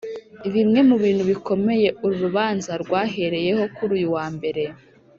Bimwe mu bintu bikomeye uru rubanza rwahereyeho kuri uyu wa Mbere